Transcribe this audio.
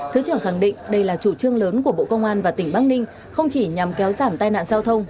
thứ trưởng khẳng định đây là chủ trương lớn của bộ công an và tỉnh bắc ninh không chỉ nhằm kéo giảm tai nạn giao thông